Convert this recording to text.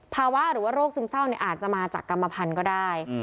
หรือว่าโรคซึมเศร้าอาจจะมาจากกรรมพันธุ์ก็ได้